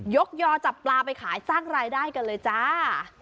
ยอจับปลาไปขายสร้างรายได้กันเลยจ้า